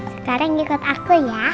sekarang ikut aku ya